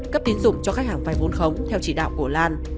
cấp tín dụng cho khách hàng vai vốn khống theo chỉ đạo của lan